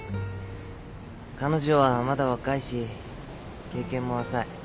彼女はまだ若いし経験も浅い。